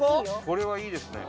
これはいいですね。